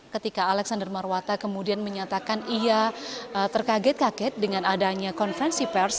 ketika alexander marwata kemudian menyatakan ia terkaget kaget dengan adanya konferensi pers